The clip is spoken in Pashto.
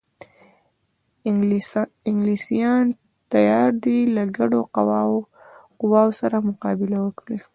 انګلیسیان تیار دي له ګډو قواوو سره مقابله وکړي.